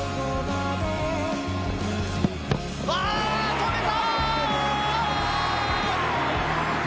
止めた！